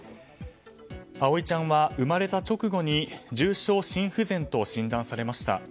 葵ちゃんは、生まれた直後に重症心不全と診断されました。